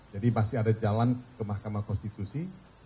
masih ada jalan ke mahkamah konstitusi